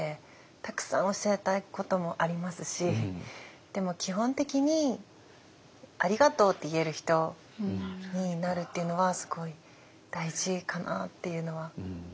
たくさん教えたいこともありますしでも基本的に「ありがとう」って言える人になるっていうのはすごい大事かなっていうのは思ってます。